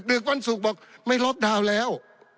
วันศุกร์บอกไม่ล็อกดาวน์แล้ว